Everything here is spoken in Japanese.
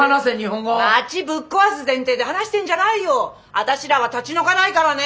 私らは立ち退かないからね！